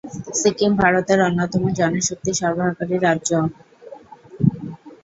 সিকিম ভারতের অন্যতম জনশক্তি সরবরাহকারী রাজ্য।